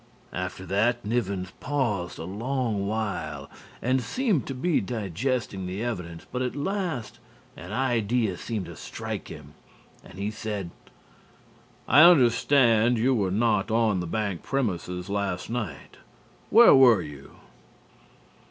After that Nivens paused a long while and seemed to be digesting the evidence, but at last an idea seemed to strike him and he said: "I understand you were not on the bank premises last night. Where were you?"